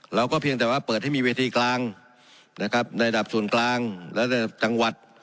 เราก็เพียงแต่ว่าเปิดให้มีเวทีกลางในดับส่วนกลางและในดับจังหวัด